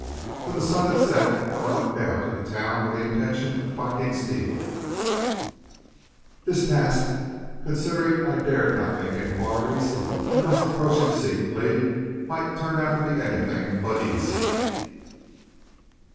When the sun had set I went down to the town with the intention of finding Steele. This task, considering I dared not make inquiries and must approach him secretly, might turn out to be anything but easy.